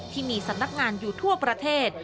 ที่มีสำนักงานอยู่ทั่วประเทศ